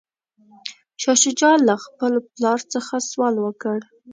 شاه شجاع له خپل پلار څخه سوال وکړ.